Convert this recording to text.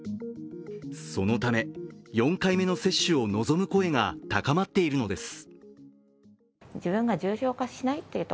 そのため、４回目の接種を望む声が高まっているのです。